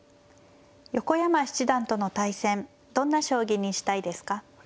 横山七段との対戦どんな将棋にしたいですか。